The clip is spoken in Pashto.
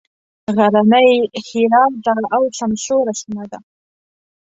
غرنۍ ښېرازه او سمسوره سیمه ده.